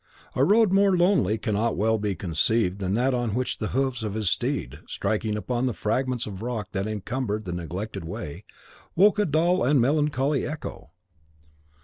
A road more lonely cannot well be conceived than that on which the hoofs of his steed, striking upon the fragments of rock that encumbered the neglected way, woke a dull and melancholy echo.